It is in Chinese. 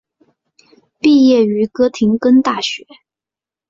毕业于哥廷根大学。